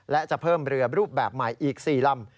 และจะเพิ่มเรือรูปแบบใหม่อีก๔ลำ